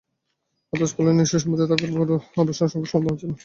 অথচ কলেজের নিজস্ব সম্পত্তি থাকার পরও আবাসন সংকট সমাধান হচ্ছে না।